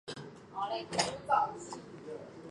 背鳍与臀鳍的最后一鳍条鳍膜与尾柄不相连。